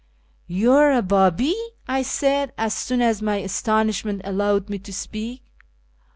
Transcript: " You are a Babi !" I said, as soon as my astonishment allowed me to speak.